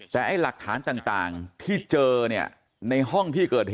แต่ไอ้หลักฐานต่างที่เจอเนี่ยในห้องที่เกิดเหตุ